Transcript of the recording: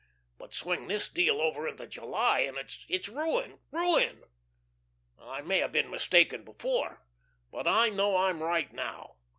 But swing this deal over into July, and it's ruin, ruin. I may have been mistaken before, but I know I'm right now.